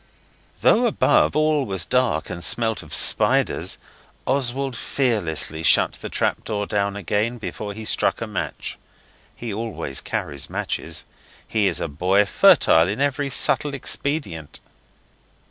Though above all was dark and smelt of spiders, Oswald fearlessly shut the trap door down again before he struck a match. He always carries matches. He is a boy fertile in every subtle expedient.